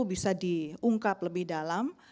bisa diungkap lebih dalam